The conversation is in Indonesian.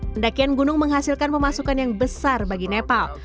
pendakian gunung menghasilkan pemasukan yang besar bagi nepal